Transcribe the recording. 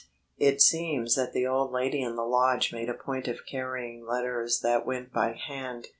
It seems that the old lady in the lodge made a point of carrying letters that went by hand.